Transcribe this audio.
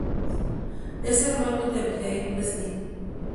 Es hermano de Abigail Breslin.